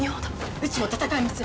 うちも戦います！